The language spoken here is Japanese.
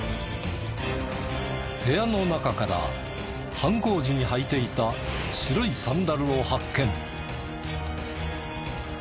部屋の中から犯行時に履いていた白いサンダルを発見。